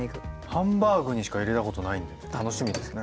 ハンバーグにしか入れたことないんで楽しみですね。